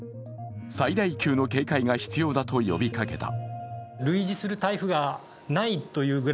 最大級の警戒が必要だと呼びかけた。